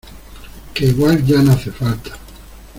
que igual ya no hace falta.